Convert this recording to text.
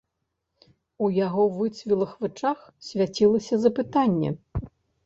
У яго выцвілых вачах свяцілася запытанне.